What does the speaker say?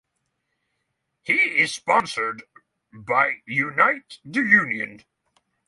He is sponsored by Unite the Union.